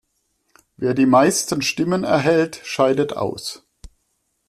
Wer die meisten "Stimmen" erhält, scheidet aus.